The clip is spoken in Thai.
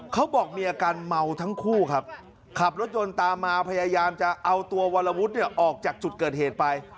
เขาบอกมีอาการเมาทั้งคู่ครับขับรถยนต์ตามมาพยายามจะเอาตัววรวุฒิเนี่ยออกจากจุดเกิดเหตุไป